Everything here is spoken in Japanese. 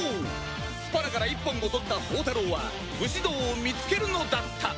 スパナから一本を取った宝太郎は武士道を見つけるのだった！